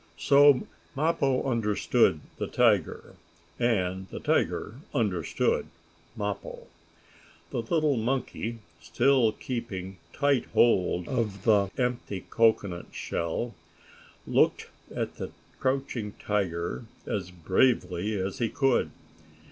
So Mappo understood the tiger, and the tiger understood Mappo. The little monkey, still keeping tight hold of the empty cocoanut shell, looked at the crouching tiger as bravely as he could.